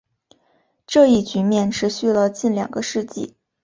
这一局面持续了近两个世纪。